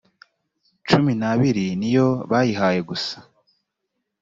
cumi n abiri niyo bayihaye gusa